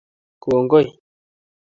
Kongoi